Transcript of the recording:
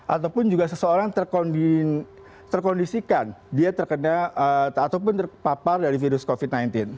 ataupun juga seseorang terkondisikan dia terkena ataupun terpapar dari virus covid sembilan belas